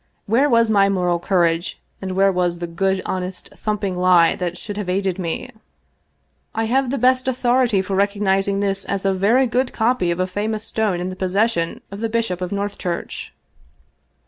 Where was my moral courage, and where was the good, honest, thumping lie that should have aided me ? "I have the best authority for recognizing this as a very good copy of a famous stone in the possession of the Bishop of Northchurch."